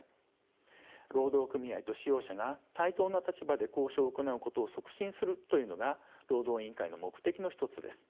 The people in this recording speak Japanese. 労働組合と使用者が対等な立場で交渉を行うことを促進するというのが労働委員会の目的の一つです。